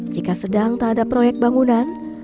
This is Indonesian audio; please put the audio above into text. jika sedang tak ada proyek bangunan